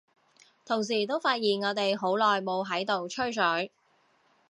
同時都發現我哋好耐冇喺度吹水，